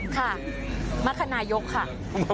ค่ะมัฆนายกค่ะ